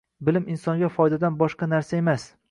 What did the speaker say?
Bilim insonga foydadan boshqa narsa emas.